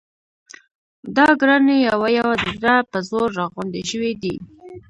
دا ګړنی یوه یوه د زړه په زور را غونډې شوې دي.